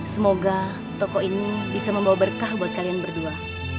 semoga toko ini bisa membawa berkah buat kalian berdua